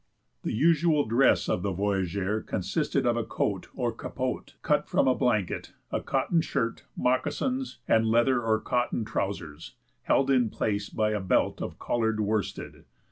The usual dress of the voyageur consisted of a coat or capote cut from a blanket, a cotton shirt, moccasins, and leather or cloth trousers, held in place by a belt of colored worsted.